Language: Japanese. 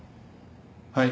はい。